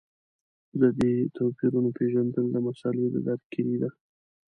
د دې توپیرونو پېژندل د مسألې د درک کیلي ده.